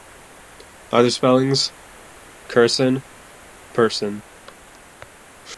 "Other spellings": Curson, Pursan.